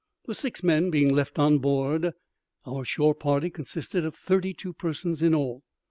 The six men being left on board, our shore party consisted of thirty two persons in all.